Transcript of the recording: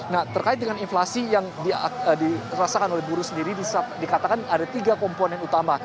nah terkait dengan inflasi yang dirasakan oleh buruh sendiri dikatakan ada tiga komponen utama